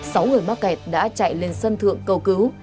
sáu người mắc kẹt đã chạy lên sân thượng cầu cứu